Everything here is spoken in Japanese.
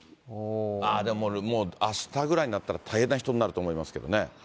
ああでも、あしたぐらいになったら大変な人になると思います